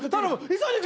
急いでくれ！